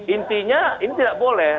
intinya ini tidak boleh